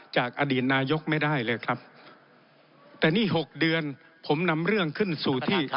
จากอดีตนายกไม่ได้เลยครับแต่นี่๖เดือนผมนำเรื่องขึ้นสู่ที่